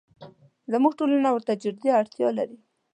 زموږ ټولنه ورته جدي اړتیا لري.